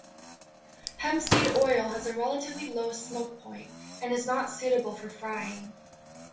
Hempseed oil has a relatively low smoke point and is not suitable for frying.